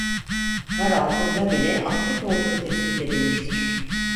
Kar altında bile aktif olduğu tespit edilmiştir.